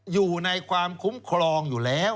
อยู่ในความคุ้มครองอยู่แล้ว